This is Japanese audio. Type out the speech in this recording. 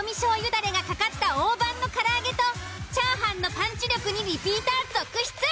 だれがかかった大判のからあげとチャーハンのパンチ力にリピーター続出！